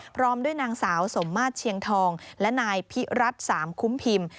พร้อมด้วยนางสาวสมมาตรเชียงทองและนายพิรัติสามคุ้มพิมพ์